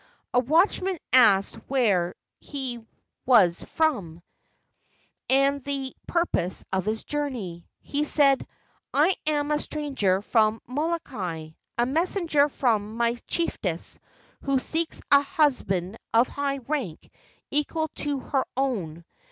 A watchman asked where he was from and the purpose of his journey. He said: "I am a stranger from Molokai, a messenger from my chiefess, who seeks a husband of high rank equal to her own.